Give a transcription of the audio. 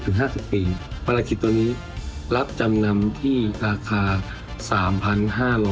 คือ๑๐๕๐ปีภารกิจตัวนี้รับจำนำที่ราคา๓๕๐๙บาท